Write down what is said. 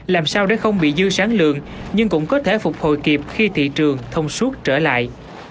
làm sao để không bị dư sáng lượng nhưng cũng có thể phục hồi kịp khi thị trường thông suốt trở lại